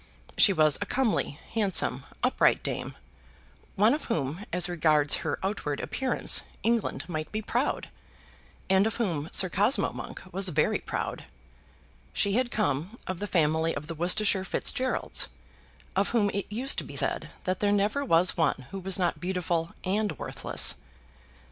She was a comely, handsome, upright, dame, one of whom, as regards her outward appearance, England might be proud, and of whom Sir Cosmo Monk was very proud. She had come of the family of the Worcestershire Fitzgeralds, of whom it used to be said that there never was one who was not beautiful and worthless.